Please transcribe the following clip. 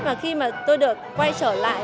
và khi mà tôi được quay trở lại